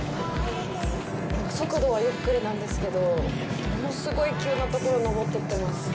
速度はゆっくりなんですけど物すごい急なところを登ってってます。